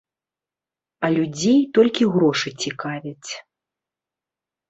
А людзей толькі грошы цікавяць.